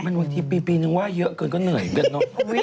บางทีปีนึงว่าเยอะเกินก็เหนื่อยกันเนอะ